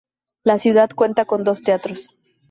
La ciudad cuenta con dos teatros.